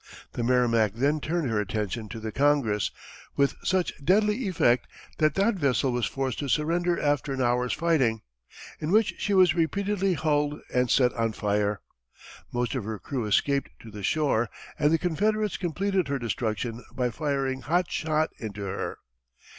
The Merrimac then turned her attention to the Congress, with such deadly effect that that vessel was forced to surrender after an hour's fighting, in which she was repeatedly hulled and set on fire. Most of her crew escaped to the shore, and the Confederates completed her destruction by firing hot shot into her.